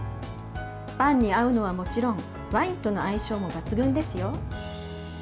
パンに合うのはもちろんワインとの相性も抜群ですよ。